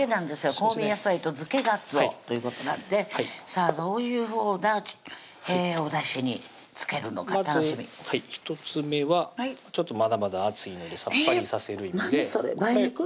「香味野菜と漬けがつお」ということなんでさぁどういうふうなおだしに漬けるのか楽しみ１つ目はまだまだ暑いのでさっぱりさせる意味で何？